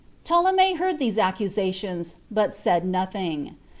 Ptolemy heard these accusations, but said nothing.